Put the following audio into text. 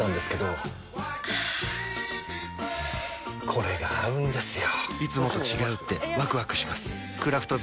これが合うんですよ！